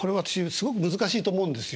すごく難しいと思うんですよ。